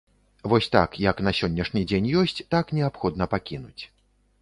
Вось так, як на сённяшні дзень ёсць, так неабходна пакінуць.